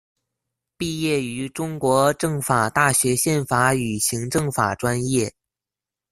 毕业于中国政法大学宪法与行政法专业。